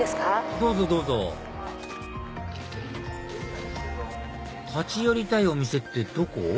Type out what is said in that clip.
どうぞどうぞ立ち寄りたいお店ってどこ？